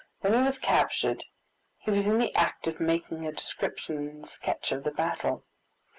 When he was captured, he was in the act of making a description and sketch of the battle.